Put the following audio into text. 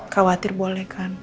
khawatir boleh kan